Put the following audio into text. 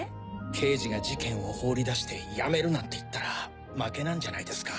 刑事が事件を放り出して辞めるなんて言ったら負けなんじゃないですか？